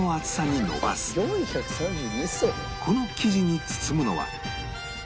この生地に包むのは